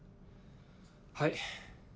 はい。